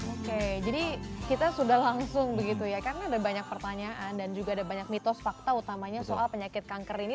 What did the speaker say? oke jadi kita sudah langsung begitu ya karena ada banyak pertanyaan dan juga ada banyak mitos fakta utamanya soal penyakit kanker ini